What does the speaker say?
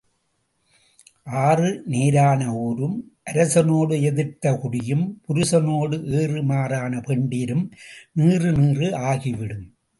ஆறு நேரான ஊரும், அரசனோடு எதிர்த்த குடியும், புருஷனோடு ஏறு மாறான பெண்டிரும் நீறு நீறு ஆகிவிடும்.